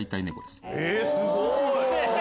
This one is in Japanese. すごい！